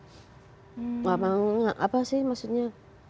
tidak mau apa sih maksudnya